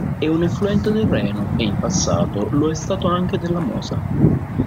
È un effluente del Reno e, in passato, lo è stato anche della Mosa.